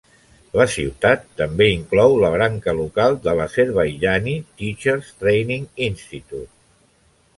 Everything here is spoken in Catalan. La ciutat també inclou la branca local del Azerbaijani Teachers Training Institute.